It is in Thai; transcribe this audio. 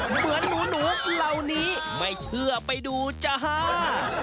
เหมือนหนูเหล่านี้ไม่เชื่อไปดูจ้าฮ่า